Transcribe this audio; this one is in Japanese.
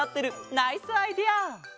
ナイスアイデア！